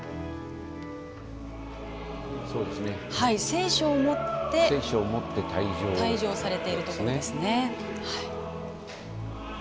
聖書を持って退場されているところですね。